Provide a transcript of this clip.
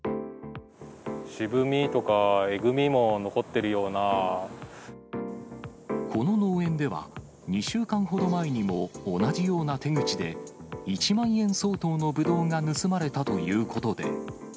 渋みとか、この農園では、２週間ほど前にも、同じような手口で、１万円相当のぶどうが盗まれたということで。